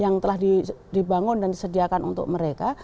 yang sudah bangun dan disediakan untuk mereka